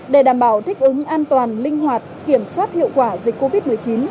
để đảm bảo thích ứng an toàn linh hoạt kiểm soát hiệu quả dịch covid một mươi chín